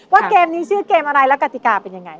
เกมนี้ชื่อเกมอะไรแล้วกติกาเป็นยังไง